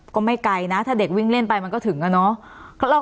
ก็ไม่ไกลนะถ้าเด็กวิ่งเล่นไปมันก็ถึงอะเนาะ